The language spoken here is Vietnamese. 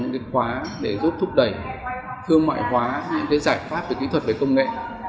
để giúp thúc đẩy thương mại hóa những giải pháp và kỹ thuật về công nghệ